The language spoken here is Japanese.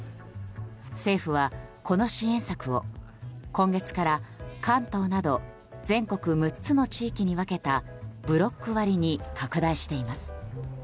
政府はこの支援策を今月から関東など全国６つの地域に分けたブロック割に拡大しています。